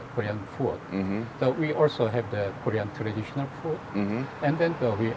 ก็มีความรู้สึกจริงและความรู้สึกจริงของกิน